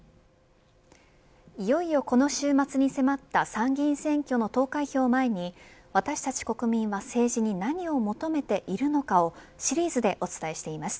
いよいよこの週末に迫った参議院選挙の投開票を前に私たち国民は政治に何を求めているのかをシリーズでお伝えしています。